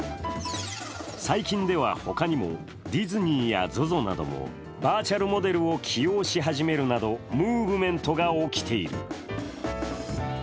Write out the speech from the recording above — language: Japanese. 最近では他にもディズニーやＺＯＺＯなどもバーチャルモデルを起用し始めるなどムーブメントが起きている。